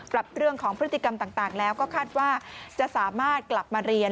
ปรับเรื่องของพฤติกรรมต่างแล้วก็คาดว่าจะสามารถกลับมาเรียน